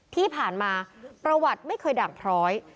ที่ผ่านมาประวัติไม่เคยด่างพร้อย